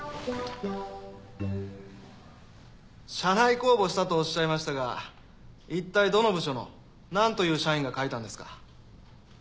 社内公募したとおっしゃいましたがいったいどの部署の何という社員が描いたんですか？